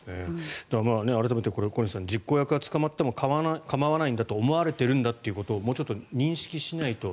改めて小西さん実行役は捕まっても構わないんだと思われているんだということをもうちょっと認識しないと。